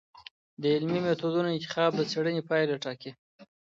د علمي میتودونو انتخاب د څېړنې پایله ټاکي.